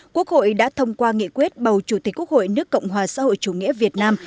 quốc hội đã thông qua nghị quyết bầu chủ tịch quốc hội nước cộng hòa xã hội chủ nghĩa việt nam